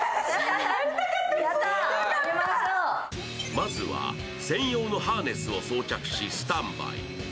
まずは専用のハーネスを装着しスタンバイ。